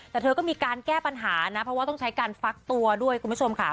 แต่เธอก็มีการแก้ปัญหานะเพราะว่าต้องใช้การฟักตัวด้วยคุณผู้ชมค่ะ